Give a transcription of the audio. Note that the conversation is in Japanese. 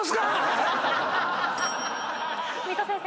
三戸先生。